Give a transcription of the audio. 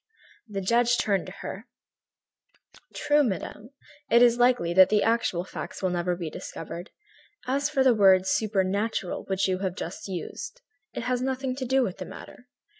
The judge turned to her: "True, madame, it is likely that the actual facts will never be discovered. As for the word 'supernatural' which you have just used, it has nothing to do with the matter.